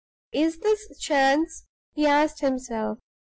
"Is this chance?" he asked himself.